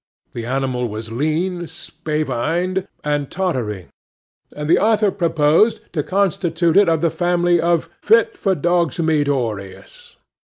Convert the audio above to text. The animal was lean, spavined, and tottering; and the author proposed to constitute it of the family of Fitfordogsmeataurious.